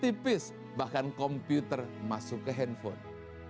tipis bahkan komputer masuk ke handphone